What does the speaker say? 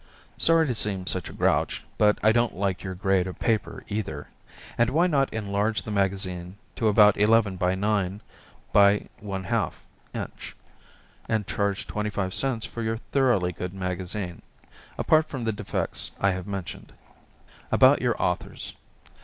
Sorry to seem such a grouch, but I don't like your grade of paper either. And why not enlarge the magazine to about 11" x 9" by 1/2", and charge 25 cents for your thoroughly good magazine, apart from the defects I have mentioned. About your authors.